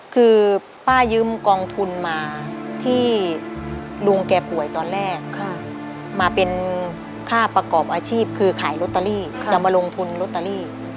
คือป้ายืมกองทุนมาที่ลุงแกป่วยตอนแรกมาเป็นค่าประกอบอาชีพคือขายลอตเตอรี่จะมาลงทุนลอตเตอรี่